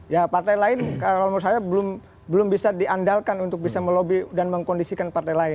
ya partai lain kalau menurut saya belum bisa diandalkan untuk bisa melobi dan mengkondisikan partai lain